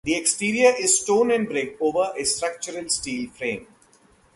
The exterior is stone and brick over a structural steel frame.